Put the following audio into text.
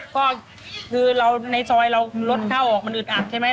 ก็คือเราในซอยเรารถเข้าออกมันอึดอัดใช่ไหม